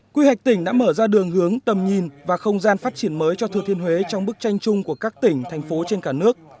quy hoạch tỉnh đã mở ra đường hướng tầm nhìn và không gian phát triển mới cho thừa thiên huế trong bức tranh chung của các tỉnh thành phố trên cả nước